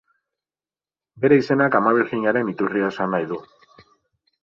Bere izenak Amabirjinaren iturria esan nahi du.